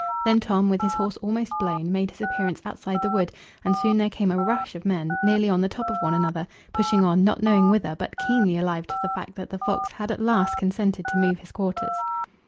Then Tom, with his horse almost blown, made his appearance outside the wood, and soon there came a rush of men, nearly on the top of one another, pushing on, not knowing whither, but keenly alive to the fact that the fox had at last consented to move his quarters.